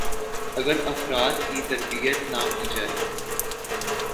ا گر افراد کی تربیت نہ کی جائے